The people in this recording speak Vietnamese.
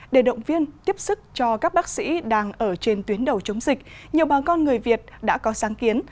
để động viên tiếp sức cho các bác sĩ đang ở trên tuyến đầu chống dịch nhiều bà con người việt đã có sáng kiến